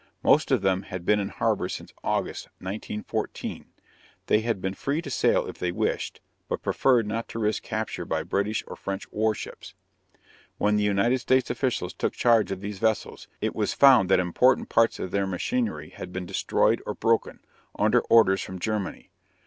Most of them had been in harbor since August, 1914. They had been free to sail if they wished, but preferred not to risk capture by British or French warships. When the United States officials took charge of these vessels, it was found that important parts of their machinery had been destroyed or broken, under orders from Germany.